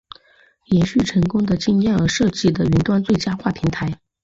延续成功的经验而设计的云端最佳化平台。